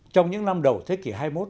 trong những năm đầu thế kỷ hai mươi một